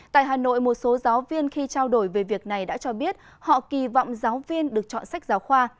tại hà nội một số giáo viên khi trao đổi về việc này đã cho biết họ kỳ vọng giáo viên được chọn sách giáo khoa